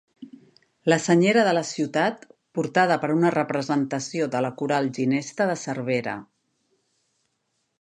La Senyera de la Ciutat, portada per una representació de la Coral Ginesta de Cervera.